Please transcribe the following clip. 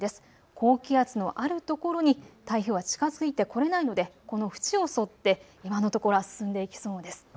高気圧のあるところに台風は近づいてこれないのでこの縁を沿って今のところ進んでいきそうです。